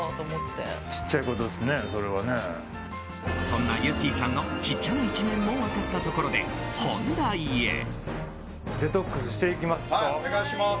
そんなゆってぃさんのちっちゃな一面も分かったところで本題へ。